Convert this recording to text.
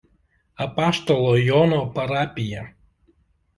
Apaštalo Jono parapija.